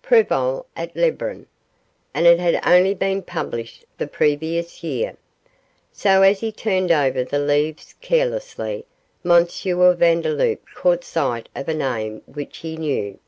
Prevol et Lebrun', and it had only been published the previous year; so as he turned over the leaves carelessly, M. Vandeloup caught sight of a name which he knew.